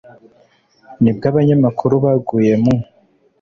nibwo abanyamakuru baguye mu